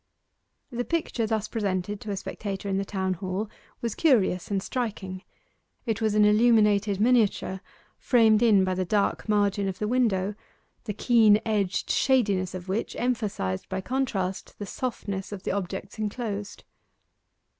The picture thus presented to a spectator in the Town Hall was curious and striking. It was an illuminated miniature, framed in by the dark margin of the window, the keen edged shadiness of which emphasized by contrast the softness of the objects enclosed.